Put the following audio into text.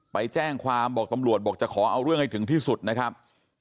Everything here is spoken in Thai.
ไปแจ้งความบอกตำรวจบอกจะขอเอาเรื่องให้ถึงที่สุดนะครับ